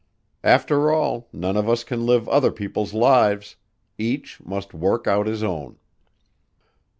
After all, none of us can live other people's lives; each must work out his own."